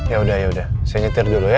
yaudah yaudah saya nyetir dulu ya